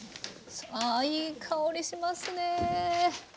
ああいい香りしますね！